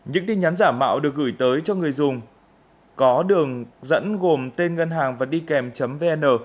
những tin nhắn giả mạo được gửi tới cho người dùng có đường dẫn gồm tên ngân hàng và đi kèm vn